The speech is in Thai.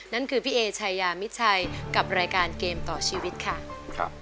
นั่นคือพี่เอชายามิดชัยกับรายการเกมต่อชีวิตค่ะ